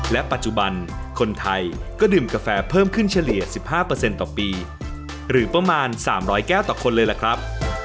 และปัจจุบันคนไทยก็ดื่มกาแฟเพิ่มขึ้นเฉลี่ย๑๕ต่อปีหรือประมาณ๓๐๐แก้วต่อคนเลยล่ะครับ